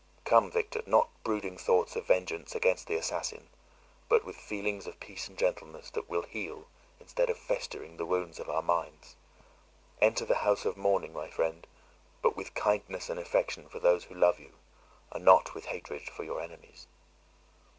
"Come, Victor; not brooding thoughts of vengeance against the assassin, but with feelings of peace and gentleness, that will heal, instead of festering, the wounds of our minds. Enter the house of mourning, my friend, but with kindness and affection for those who love you, and not with hatred for your enemies.